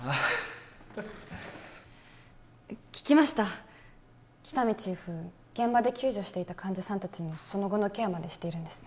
聞きました喜多見チーフ現場で救助していた患者さん達のその後のケアまでしているんですね